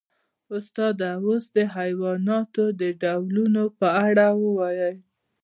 استاده اوس د حیواناتو د ډولونو په اړه ووایئ